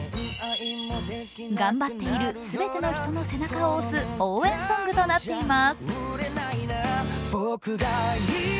頑張っている全ての人の背中を押す応援ソングとなっています。